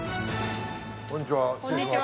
こんにちは。